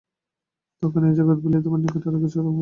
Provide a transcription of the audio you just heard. তখন এই জগৎ বলিয়া তোমার নিকট আর কিছুই থাকিবে না।